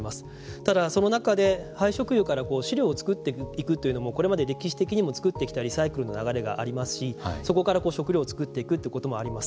ただ、その中で廃食油から飼料をつくっていくというのもこれまで歴史的にもつくってきたリサイクルの流れがありますしそこから食料をつくっていくということもあります。